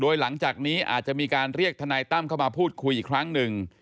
โดยหลังจากนี้อาจจะมีการเรียกทนายตั้มเข้ามาพูดคุยอีกครั้งหนึ่ง